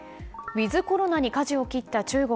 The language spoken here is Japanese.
ウィズコロナにかじを切った中国。